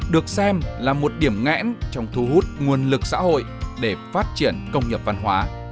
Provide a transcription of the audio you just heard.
được xem là một điểm ngẽn trong thu hút nguồn lực xã hội để phát triển công nghiệp văn hóa